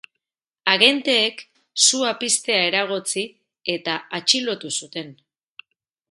Agenteek sua piztea eragotzi, eta atxilotu zuten.